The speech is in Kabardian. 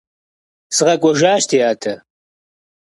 СыкъэкӀуэжащ, ди адэ.